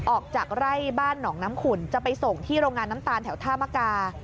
ออกจากไร่บ้านหนองน้ำขุ่นจะไปส่งที่โรงงานน้ำตาลแถวท่ามกา